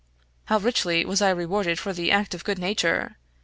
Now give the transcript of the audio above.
How richly was I rewarded for the act of good nature!